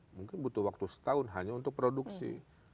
mungkin butuh waktu setahun hanya untuk produksi